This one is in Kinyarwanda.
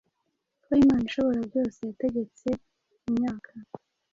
Ko Imana Ishoborabyose yategetse imyaka